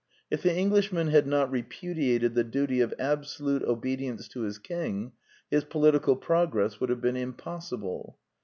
If the Englishman had not repudiated the duty of absolute obedience to his king, his political progress would have been impossible.